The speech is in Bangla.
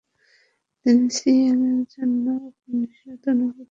তিনি সিলিংয়ের জন্য উপনিষদ অনুবাদ করতে শুরু করেন।